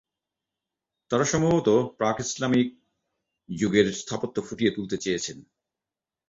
তারা সম্ভবত, প্রাক ইসলামি যুগের স্থাপত্য ফুটিয়ে তুলতে চেয়েছেন।